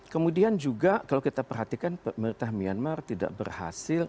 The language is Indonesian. kemudian juga kalau kita perhatikan pemerintah myanmar tidak berhasil